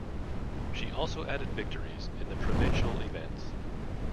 She also added victories in the provincial events.